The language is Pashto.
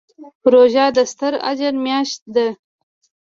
روژه د ستر اجر میاشت ده.